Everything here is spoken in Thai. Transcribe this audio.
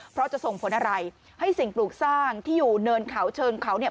เพราะจะส่งผลอะไรให้สิ่งปลูกสร้างที่อยู่เนินเขาเชิงเขาเนี่ย